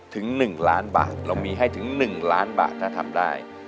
ถึง๑ล้านบาทเรามีให้ถึง๑ล้านบาทถ้าทำได้